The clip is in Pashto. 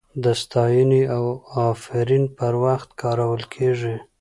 د ستاینې او افرین پر وخت کارول کیږي.